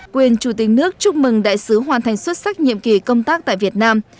quyền chủ tịch nước chúc mừng đại sứ hoàn thành xuất sắc nhiệm kỳ công tác tại việt nam